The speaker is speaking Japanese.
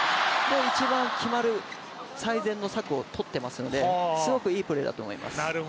一番決まる最善の策をとっていますので、すごくいいプレーだと思います。